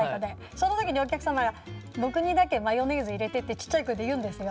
その時にお客様が僕にだけマヨネーズ入れてってちっちゃい声で言うんですよ。